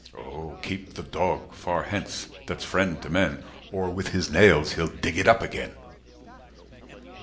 "Oh keep the Dog far hence, that's friend to men, "Or with his nails he'll dig it up again!